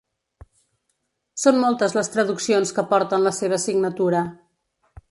Són moltes les traduccions que porten la seva signatura.